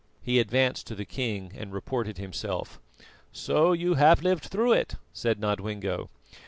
He advanced to the king and reported himself. "So you have lived through it," said Nodwengo.